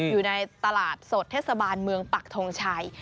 อยู่ในตลาดสดเทศบาลเมืองปักทงชัย